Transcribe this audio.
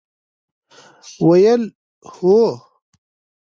ویل ، هو!